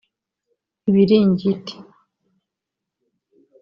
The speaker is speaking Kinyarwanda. ibiringiti